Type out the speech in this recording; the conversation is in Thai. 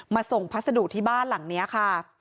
ส่งพัสดุที่บ้านหลังนี้ค่ะ